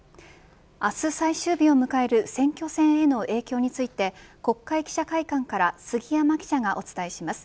明日、最終日を迎える選挙戦への影響について国会記者会館から杉山記者がお伝えします。